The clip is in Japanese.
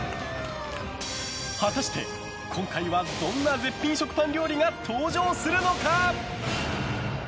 果たして今回はどんな絶品食パン料理が登場するのか。